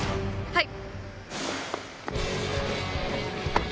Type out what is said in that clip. はい！